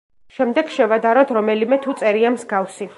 შემდეგ შევადაროთ, რომელიმე თუ წერია მსგავსი.